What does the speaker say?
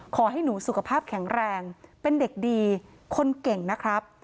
ขอให้หนูสุขภาพแข็งแรงเป็นเด็กดีคนเก่งนะครับ